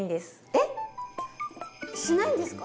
えっしないんですか？